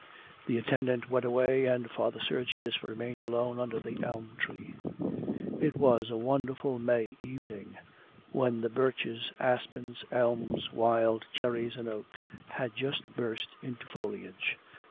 The attendant went away, and Father Sergius remained alone under the elm tree. It was a wonderful May evening, when the birches, aspens, elms, wild cherries, and oaks, had just burst into foliage.